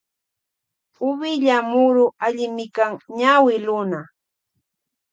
Uvilla muru allimikan ñawi luna.